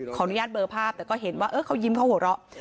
อนุญาตเบอร์ภาพแต่ก็เห็นว่าเขายิ้มเขาหัวเราะ